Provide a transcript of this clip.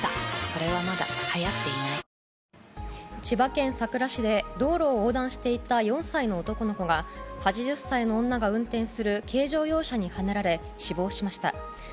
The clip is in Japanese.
千葉県佐倉市で道路を横断していた４歳の男の子が８０歳の女が運転する軽乗用車にはねられ死亡しました。